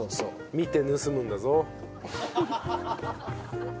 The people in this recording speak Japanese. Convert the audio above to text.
見て盗むんだぞ。